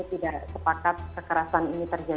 ini bukan sekepanjang hal yang bergantian bagi masyarakat